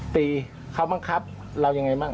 ตีเขาบ้างครับเรายังไงบ้าง